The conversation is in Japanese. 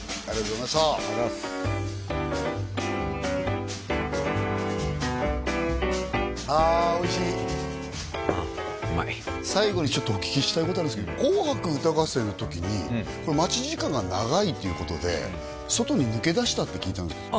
うんうまい最後にちょっとお聞きしたいことあるんですけど「紅白歌合戦」の時に待ち時間が長いということで外に抜け出したって聞いたんですけど